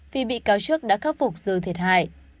vì bị cáo trước đã khắc phục dư thiệt hại